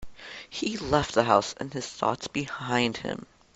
He left the house and his thoughts behind him.